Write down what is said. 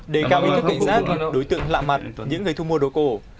đề cao ý thức cảnh giác đối tượng lạ mặt những người thu mua đồ cổ